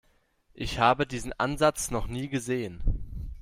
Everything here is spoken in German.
Ich habe diesen Ansatz noch nie gesehen.